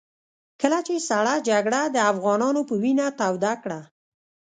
کله چې سړه جګړه د افغانانو په وينو توده کړه.